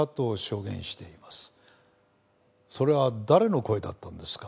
それは誰の声だったんですか？